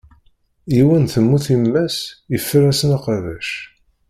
Yiwen, temmut yemma-s, yeffer-asen aqabac.